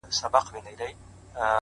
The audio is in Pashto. اراده د ستونزو دروازې پرانیزي